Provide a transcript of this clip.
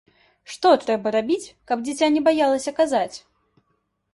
Што трэба рабіць, каб дзіця не баялася казаць?